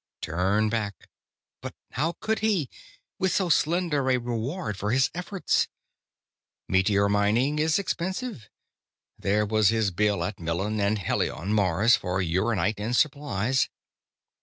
Turn back. But how could he, with so slender a reward for his efforts? Meteor mining is expensive. There was his bill at Millen and Helion, Mars, for uranite and supplies.